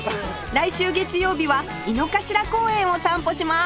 来週月曜日は井の頭公園を散歩します